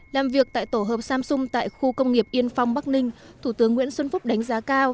làm việc tại tổ hợp samsung tại khu công nghiệp yên phong bắc ninh thủ tướng nguyễn xuân phúc đánh giá cao